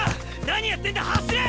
何やってんだ走れ！